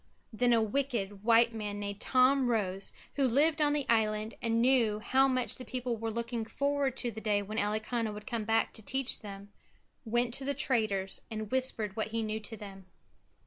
Then a wicked white man named Tom Rose, who lived on the island and knew how much the people were looking forward to the day when Elikana would come back to teach them, went to the traders and whispered what he knew to them.